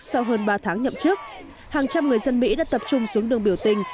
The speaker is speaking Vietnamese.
sau hơn ba tháng nhậm chức hàng trăm người dân mỹ đã tập trung xuống đường biểu tình